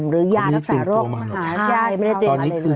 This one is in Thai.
หรือยารักษาโรคใช่ไม่ได้เตรียมอะไรเลย